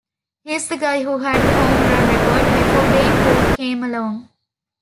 He's the guy who had the home run record before Babe Ruth came along.